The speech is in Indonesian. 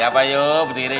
iya pak yuk berdiri yuk